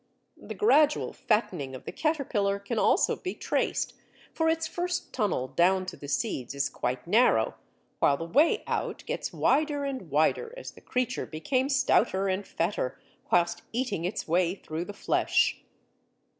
The gradual fattening of the caterpillar can also be traced, for its first tunnel down to the seeds is quite narrow, while the way out gets wider and wider as the creature became stouter and fatter whilst eating its way through the flesh.